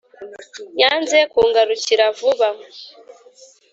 yanze kungarukira vuba